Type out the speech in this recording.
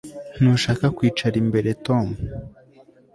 Ntushaka kwicara imbere Tom